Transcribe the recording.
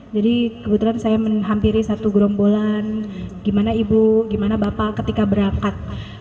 jadi kebetulan saya menghampiri satu gerombolan gimana ibu gimana bapak ketika berangkat